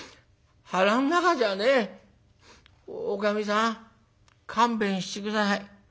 『おかみさん勘弁して下さい。